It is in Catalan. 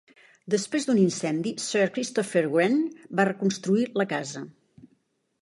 Després d'un incendi, Sir Christopher Wren va reconstruir la casa.